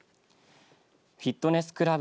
フィットネスクラブ